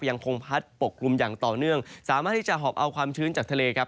ยังคงพัดปกกลุ่มอย่างต่อเนื่องสามารถที่จะหอบเอาความชื้นจากทะเลครับ